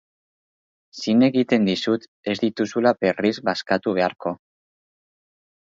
Zin egiten dizut ez dituzula berriz bazkatu beharko.